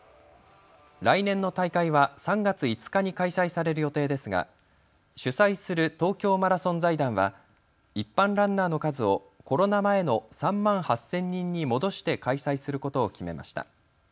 来年の大会は３月５日に開催される予定ですが主催する東京マラソン財団は一般ランナーの数をコロナ前の３万８０００人に戻して開催することを決めました。